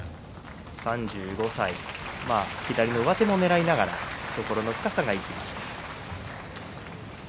３５歳、左の上手もねらいながら懐の深さが生きました。